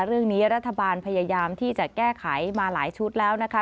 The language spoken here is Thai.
รัฐบาลพยายามที่จะแก้ไขมาหลายชุดแล้วนะคะ